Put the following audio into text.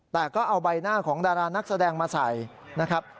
แต่ก็เอาใบหน้าของดารานักแสดงมาใส่นะครับ